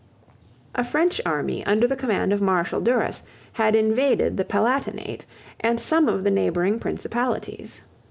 A French army under the command of Marshal Duras had invaded the Palatinate and some of the neighbouring principalities.